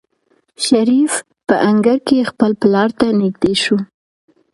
شریف په انګړ کې خپل پلار ته نږدې شو.